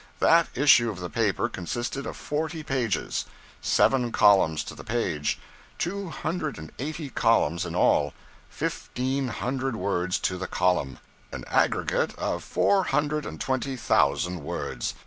That issue of the paper consisted of forty pages; seven columns to the page; two hundred and eighty columns in all; fifteen hundred words to the column; an aggregate of four hundred and twenty thousand words.